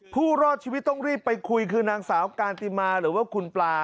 ผู้รอดชีวิตต้องรีบไปคุยคือนางสาวการติมาหรือว่าคุณปลา